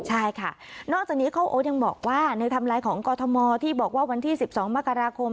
ใช่ค่ะนอกจากนี้ข้าวโอ๊ตยังบอกว่าในไทม์ไลน์ของกรทมที่บอกว่าวันที่๑๒มกราคม